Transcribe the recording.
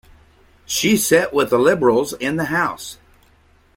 She sat with the Liberals in the House.